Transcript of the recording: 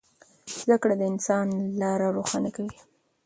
زده کړه د انسان لاره روښانه کوي.